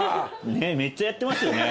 ねっめっちゃやってますよね。